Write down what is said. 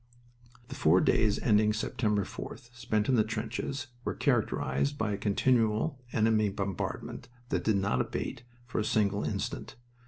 "The four days ending September 4th, spent in the trenches, were characterized by a continual enemy bombardment that did not abate for a single instant.